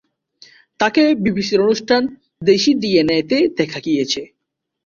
তাকে বিবিসির অনুষ্ঠান "দেশি ডিএনএ" তে দেখা গিয়েছে।